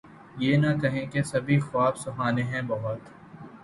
یہ نہ کہیے کہ سبھی خواب سہانے ہیں بہت